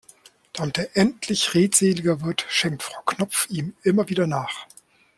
Damit er endlich redseliger wird, schenkt Frau Knopf ihm immer wieder nach.